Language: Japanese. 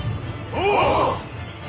お！